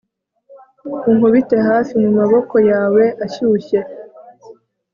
unkubite hafi mumaboko yawe ashyushye